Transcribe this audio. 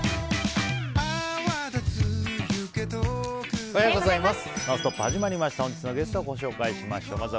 おはようございます。